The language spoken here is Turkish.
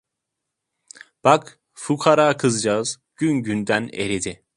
Bak, fukara kızcağız gün günden eridi.